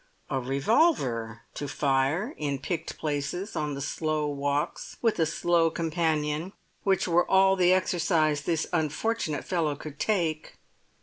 A revolver to fire in picked places on the slow walks with a slow companion which were all the exercise this unfortunate fellow could take!